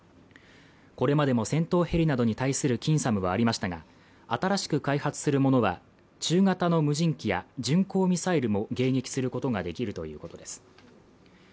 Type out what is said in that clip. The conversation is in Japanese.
これまでも戦闘ヘリなどに対する近ＳＡＭはありましたが新しく開発するものは中型の無人機や巡航ミサイルも迎撃することができるということです